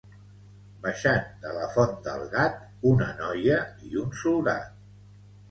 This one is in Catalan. Baixant de la font del gat, una noia i un soldat.